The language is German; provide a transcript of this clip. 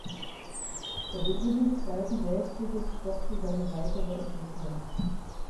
Der Beginn des Zweiten Weltkrieges stoppte seine weitere Entwicklung.